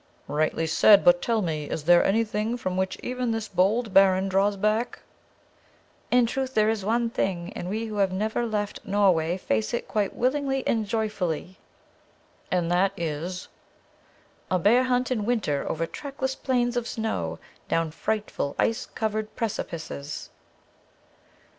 "Rightly said; but tell me, is there anything from which even this bold baron draws back?" "In truth there is one thing, and we who have never left Norway face it quite willingly and joyfully." "And that is ?" "A bear hunt in winter, over trackless plains of snow, down frightful ice covered precipices."